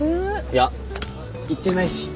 いや言ってないし。